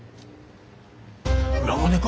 裏金か？